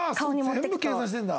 全部計算してるんだ。